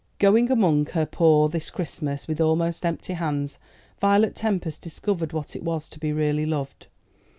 Going among her poor this Christmas, with almost empty hands, Violet Tempest discovered what it was to be really loved.